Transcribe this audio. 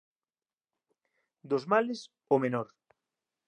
Dos males o menor.